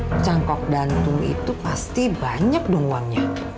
pencakok jantung itu pasti banyak dong uangnya